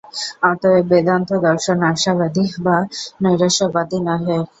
অতএব বেদান্তদর্শন আশাবাদী বা নৈরাশ্যবাদী নহে।